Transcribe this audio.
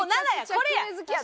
これや。